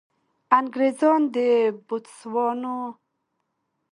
انګرېزان د بوتسوانا نیواک ته ډېر علاقمند نه وو.